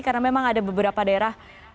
karena memang ada beberapa daerah